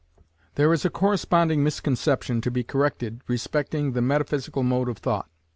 There is a corresponding misconception to be corrected respecting the Metaphysical mode of thought.